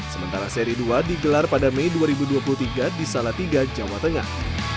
sementara seri dua digelar pada mei dua ribu dua puluh tiga di salatiga jawa tengah